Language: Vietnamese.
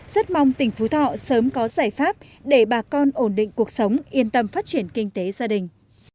rất mong tỉnh phú thọ sớm có giải pháp để bà con ổn định cuộc sống yên tâm phát triển kinh tế gia đình